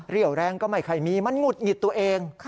เรี่ยวแรงก็ไม่ใครมีมันหงุดหงิดตัวเอง